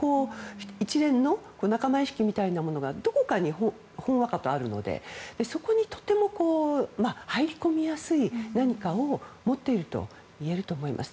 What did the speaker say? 一連の仲間意識みたいなものがどこかにほんわかとあるのでそこに、とても入り込みやすい何かを持っているといえると思います。